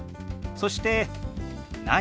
そして「何？」。